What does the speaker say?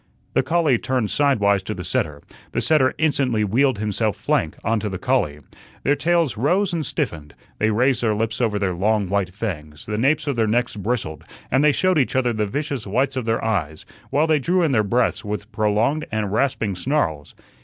The collie turned sidewise to the setter; the setter instantly wheeled himself flank on to the collie. Their tails rose and stiffened, they raised their lips over their long white fangs, the napes of their necks bristled, and they showed each other the vicious whites of their eyes, while they drew in their breaths with prolonged and rasping snarls.